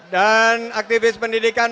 dan aktivis pendidikan